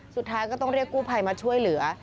สุดท้ายก็ต้องเรียกกู้ภัยมาช่วยเหลือ